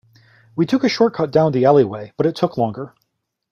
We took a shortcut down the alleyway, but it took longer.